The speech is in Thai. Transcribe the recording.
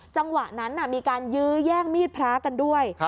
จังหวะนั้นมีการยื้อแย่งมีดพระกันด้วย